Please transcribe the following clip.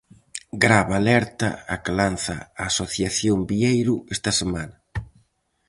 Grave alerta a que lanza a asociación Vieiro esta semana.